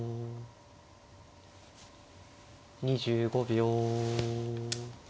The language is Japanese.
２５秒。